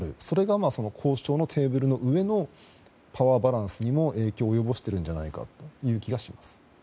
それが交渉のテーブルの上のパワーバランスにも影響を及ぼしているんじゃないかという気がします。